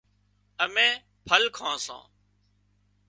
امين ڦل کان سان